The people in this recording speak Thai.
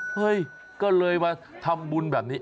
เฮ้ยก็เลยมาทำบุญแบบนี้